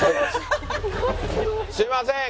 すいません。